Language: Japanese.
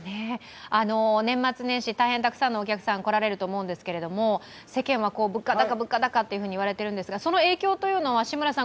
年末年始大変たくさんのお客さん、来られると思うんですけど世間は物価高、物価高と言われてますがその影響というのは志村さん